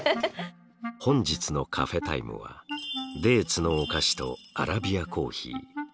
本日のカフェタイムはデーツのお菓子とアラビアコーヒー。